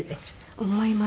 思います。